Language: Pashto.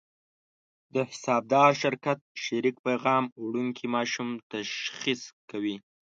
د حسابدار شرکت شریک پیغام وړونکي ماشوم تشخیص کوي.